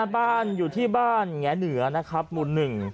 บ้านอยู่ที่บ้านแง่เหนือนะครับหมู่หนึ่ง